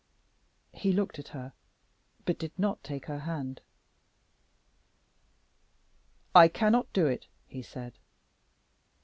'" He looked at her, but did not take her hand. "I cannot do it," he said.